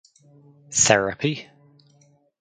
Therapy?